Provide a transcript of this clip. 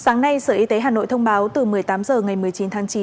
sáng nay sở y tế hà nội thông báo từ một mươi tám h ngày một mươi chín h